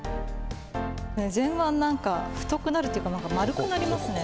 前腕、なんか太くなるっていうか、丸くなりますね。